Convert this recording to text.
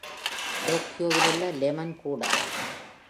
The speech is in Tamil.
டோக்கியோவிலுள்ள லெமன் கூடம்.